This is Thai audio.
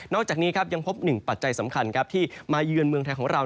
อกจากนี้ครับยังพบหนึ่งปัจจัยสำคัญที่มาเยือนเมืองไทยของเรา